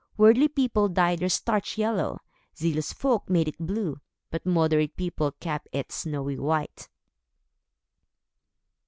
Worldly people dyed their starch yellow; zealous folk made it blue; but moderate people kept it snowy white.